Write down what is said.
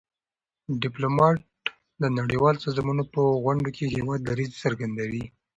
ډيپلومات د نړیوالو سازمانونو په غونډو کي د هېواد دریځ څرګندوي.